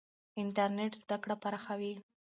انټرنېټ زده کړه پراخوي.